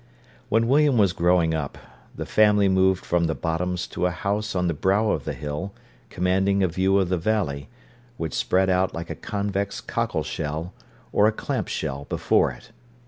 When William was growing up, the family moved from the Bottoms to a house on the brow of the hill, commanding a view of the valley, which spread out like a convex cockle shell, or a clamp shell, before it.